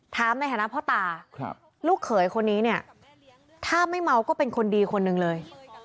ถามในฐานะพ่อตาลูกเขยคนนี้เนี่ยถ้าไม่เมาก็เป็นคนดีคนหนึ่งเลย